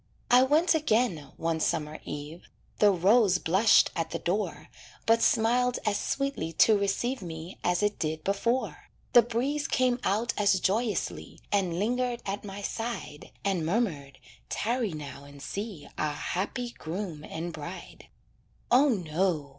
I went again, one summer eve; The rose blushed at the door But smiled as sweetly to receive Me as it did before; The breeze came out as joyously, And lingered at my side, And murmured: "Tarry now and see Our happy groom and bride." "O, no!"